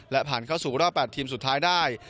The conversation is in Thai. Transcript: และผ่านเข้าสู่รอบ๘ทีมสุดท้ายได้